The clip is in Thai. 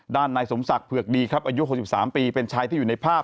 นายสมศักดิ์เผือกดีครับอายุ๖๓ปีเป็นชายที่อยู่ในภาพ